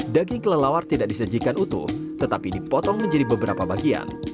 daging kelelawar tidak disajikan utuh tetapi dipotong menjadi beberapa bagian